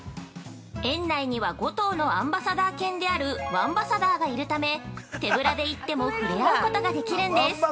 ◆園内には、５頭のアンバサダー犬であるワンバサダーがいるため手ぶらで行っても触れ合うことができるんです。